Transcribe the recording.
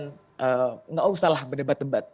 tidak usah lah berdebat debat